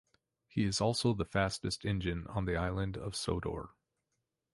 He is also the fastest engine on the Island of Sodor.